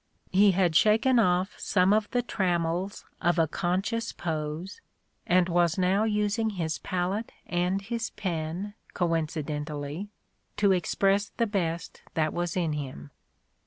He had shaken off some of the trammels of a conscious pose, and was now using his palette and his pen, coinci dently, to express the best that was in him.